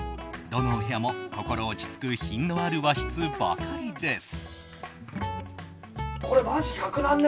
どのお部屋も心落ち着く品のある和室ばかりです。